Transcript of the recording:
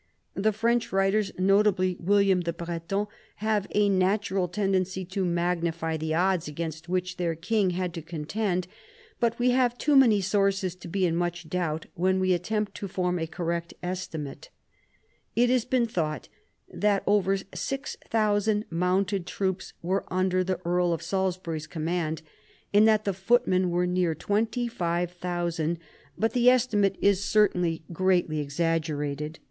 The French writers, notably William the Breton, have a natural tendency to magnify the odds against which their king had to contend, but we have too many sources to be in much doubt when we attempt to form a correct estimate. It has been thought that over 6000 mounted troops were under the earl of Salisbury's command, and that the footmen were near 25,000, but the estimate is certainly greatly ex 108 PHILIP AUGUSTUS char aggerated.